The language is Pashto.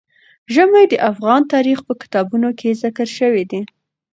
ژمی د افغان تاریخ په کتابونو کې ذکر شوی دي.